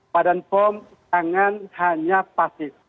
badan pom jangan hanya pasif